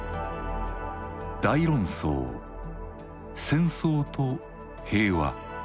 「大論争戦争と平和」。